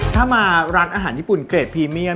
ถ้ามาร้านอาหารญี่ปุ่นเกรดพรีเมียม